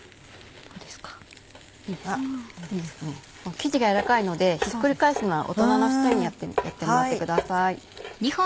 生地が軟らかいのでひっくり返すのは大人の人にやってもらってください。